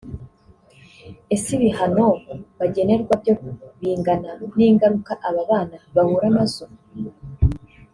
Ese ibihano bagenerwa byo bingana n’ingaruka aba bana bahura nazo